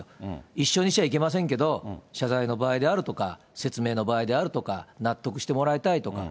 一緒にしちゃいけませんけど、謝罪の場合であるとか、説明の場合であるとか、納得してもらいたいとか。